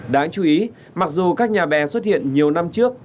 đáng chú ý mặc dù các nhà bè xuất hiện nhiều năm trước